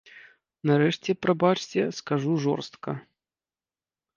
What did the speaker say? Нарэшце, прабачце, скажу жорстка.